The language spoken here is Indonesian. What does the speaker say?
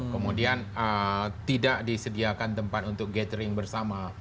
kemudian tidak disediakan tempat untuk gathering bersama